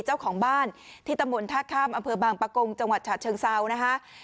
เจ้าของบ้านที่ตำบลท่าข้ามอำเภอบางปะกงจังหวัดฉะเชิงเซานะคะ